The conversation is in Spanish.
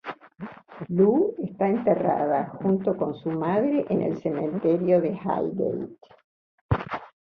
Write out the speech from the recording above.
Lou está enterrada junto a su madre en el cementerio de Highgate.